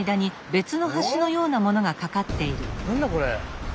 何だこれ？